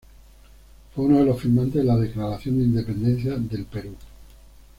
Fue uno de los firmantes de la Declaración de Independencia del Perú.